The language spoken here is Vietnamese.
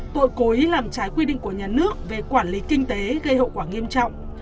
tội cố ý làm trái quy định của nhà nước về quản lý kinh tế gây hậu quả nghiêm trọng